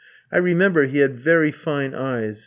I remember he had very fine eyes.